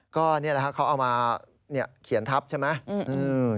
ก็นี่แหละครับเขาเอามาเขียนทัพใช่ไหม